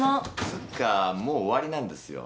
つうかもう終わりなんですよ。